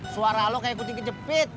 suara lo kayak kuting kejepit